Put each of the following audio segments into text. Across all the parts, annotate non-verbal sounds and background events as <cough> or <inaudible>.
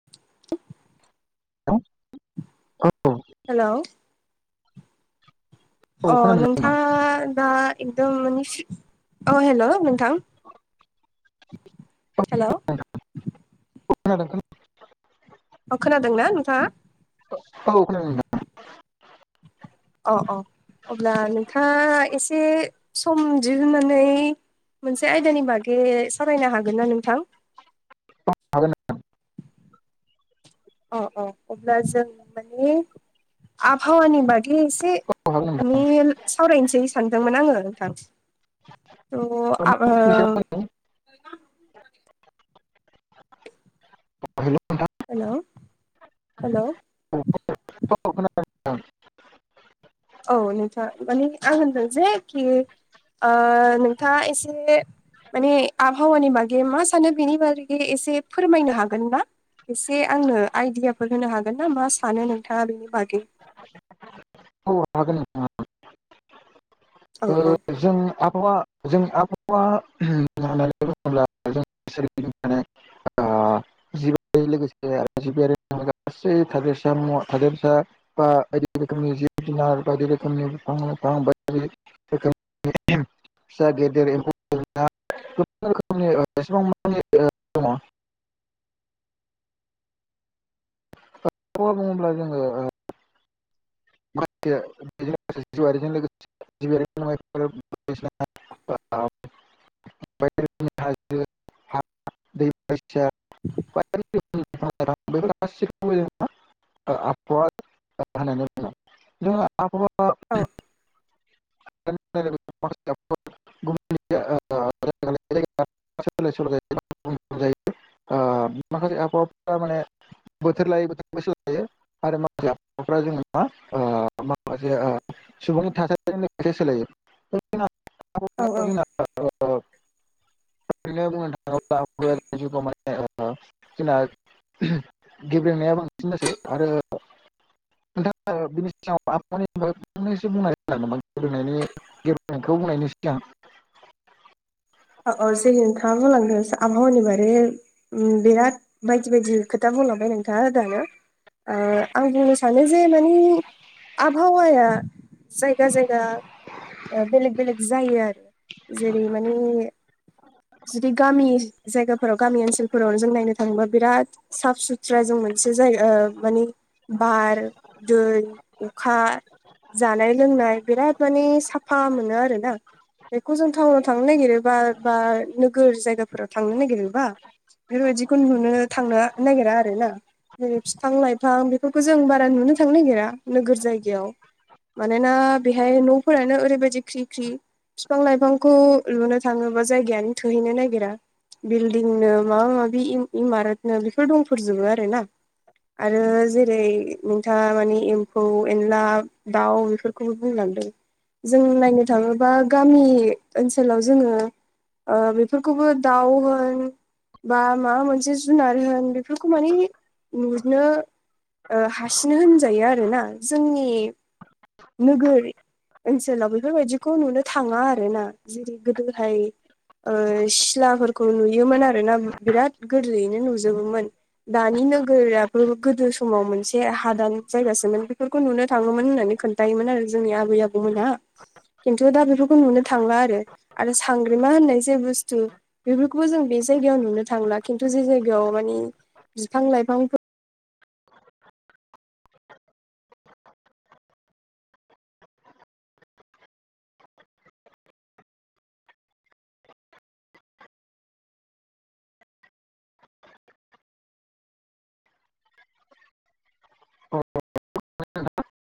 <unintelligible> Hello <unintelligible> hello अ खोनादों नोंथां नोंथाङा दा एकदम माने सि अ हेल' नोंथां हेलौ <unintelligible> अ खोनादोंना नोंथाङा। औ खोनादों दा अ अ अब्ला नोंथाङा एसे सम दिहुननानै। मोनसे आयदानि बागै सावरायनो हागोन ना नोंथां। हागोन अ अ अब्ला जों माने आबहावानि बागै एसे। औ हागोन माने नोंथां सावरायनोसै सानदोंमोन आङो नोंथां। त आं हेल' हेलौ हेलौ। औ <unintelligible> औ नोंथा माने आं होनदो जे खि ओ नोंथाङा एसे। माने आबहावानि बागै मा सानो बेनि बारै बे एसे फोरमायनो हागोनना। एसे आंनो आइडियाफोर होनो हागोन ना मा सानो नोंथाङा बेनि बागै। औ हागोन नोंथां औ ओ अ। जों आबहावा जों आबहावा होननानै <unintelligible> <unintelligible> <unintelligible> गसे थदस म थादस <unintelligible> बा बायदि रोखोमनि जिब जुनार बायदि रोखोमनि बिफां लाइफां बायोमनि <unintelligible> <unintelligible> फिसा गेदेर एमफ <unintelligible> <unintelligible> गोबां रोखोमनिसेबां मनि दङ <unintelligible> माखौ बुङोब्ला जोङो ओ। <unintelligible> बि <unintelligible> दै <unintelligible> आबह <unintelligible> जों आब' औ <unintelligible> ग <unintelligible> <unintelligible> माने <unintelligible> माखासे आबहावा फोरा माने बोथोर लायो बोथोर बैसो लायो आरो माखासेबाफ्रा जोङो <unintelligible> मा ओ माखासे सुबुंनि थासारिनि सोलायो औ औ <unintelligible> <unintelligible> जोंना गेब्लेनाया बांसिन जासै आरो। <unintelligible> नोंथाङा बिनि सिगाङाव नामानायनि <unintelligible> गेबेनायखौ बुंनायनि सिगां औ औ जे नोंथाङा होनलांदों आबहावानि बारै उम बिराद बायदि खोथा बुंलांबाय नोंथाङा दानो ओ आं बुंनो सानो जे मानि आबहावाया जायगा जायगा ओ बेलेग बेलेग जायो आरो जेरै माने जुदि गामि जायगाफोराव गामि ओनसोल फोरावनो जों नायनो थाङोबा बिराद साफ सुथ्रा जों मोनसे जायगा ओ मानि बार दै अखा जानाय लोंनाय बिराद माने साफा मोनो आरोना बेखौ जों टाउनाव थांनो नागिरोबा बा नोगोर जायगाफोराव थांनो नागिरोबा बेफोरबायदिखौ नुनो थांनो नागिरा आरो ना। जेरै फिफां लाइफां बेफोरखौ जों बारा नुनो थांनो नागिरा नोगोर जायगायाव। मानोना बेहाय न'फोरानो ओरैबायदि ख्रि ख्रि बिफां लाइफांखौ लुनो थाङोबा जायगायानो थोहैनो नागिरा। बिल्डिंनो माबा माबि इमारतनो बेफोर दंफोरजोबो आरो ना। आरो जेरै नोंथाङा मानि एम्फौ एनला दाउ बेफोरखौबो बुंलांदों। जों नायनो थाङोबा गामि ओनसोलाव जोङो ओ बेफोरखौबो दाउ होन बा माबा मोनसे जुनार होन बेफोरखौ माने नुनो ओ हासिनो होनजायो आरोना जोंनि नोगोर ओनसोलाव बेफोरबायदिखौ नुनो थाङा आर ना जेरै गोदोहाय ओ सिलाफोरखौ नुयोमोन आरो ना बिराद गोरलैयैनो नुजोबोमोन। दानि नोगोराबो गोदो समाव मोनसे हादान जायगासोमोन बेफोरखौ नुनो थाङोमोन होननानै खोन्थायायोमोन आरो जोंनि आबै आबौमोनहा। खिन्थु दा बेफोरखौ नुनो थांला आरो आरो सांग्रे बि मा होननाय जे बुस्थु बेफोरखौबो जों बे जायगायाव नुनो थांला खिन्थु जे जायगायाव माने बिफां लाइफां <unintelligible>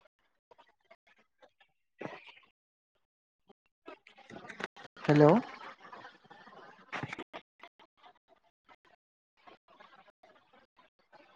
हेलौ